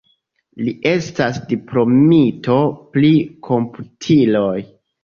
Li estas diplomito pri komputiloj.